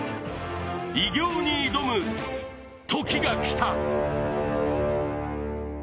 偉業に挑む時がきた。